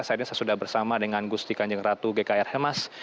saya sudah bersama dengan gusti kanjeng ratu gkr hemas